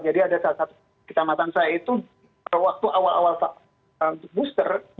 jadi ada salah satu kecamatan saya itu waktu awal awal booster